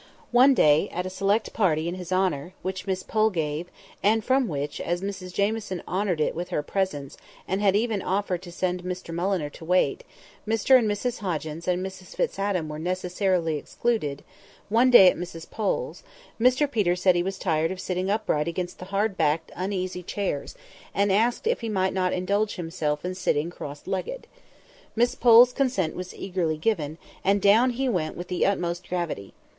One day, at a select party in his honour, which Miss Pole gave, and from which, as Mrs Jamieson honoured it with her presence, and had even offered to send Mr Mulliner to wait, Mr and Mrs Hoggins and Mrs Fitz Adam were necessarily excluded—one day at Miss Pole's, Mr Peter said he was tired of sitting upright against the hard backed uneasy chairs, and asked if he might not indulge himself in sitting cross legged. Miss Pole's consent was eagerly given, and down he went with the utmost gravity.